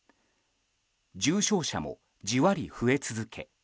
重症者もじわり増え続け